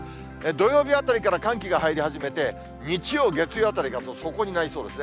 土曜日あたりから寒気が入り始めて、日曜、月曜あたりが底になりそうですね。